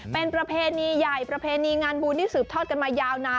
เป็นประเพณีใหญ่ประเพณีงานบุญที่สืบทอดกันมายาวนาน